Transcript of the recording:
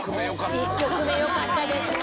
１曲目よかったですね。